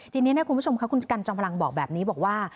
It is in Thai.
ทีนี้คุณผู้ชมค่ะคุณกันจอมพลังบอกแบบนี้บอกว่า